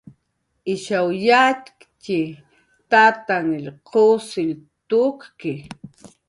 Ishaw yatxktxi, Tantanhr qusill tukki